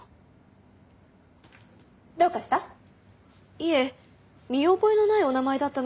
いえ見覚えのないお名前だったので。